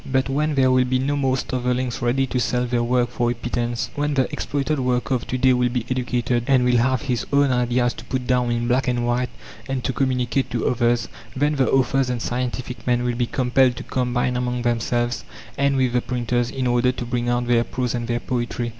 But when there will be no more starvelings ready to sell their work for a pittance, when the exploited worker of to day will be educated, and will have his own ideas to put down in black and white and to communicate to others, then the authors and scientific men will be compelled to combine among themselves and with the printers, in order to bring out their prose and their poetry.